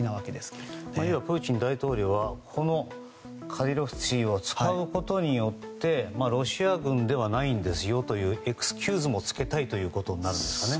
要は、プーチン大統領はこのカディロフツィを使うことによってロシア軍ではないんですよというエクスキューズもつけたいということになるんですかね。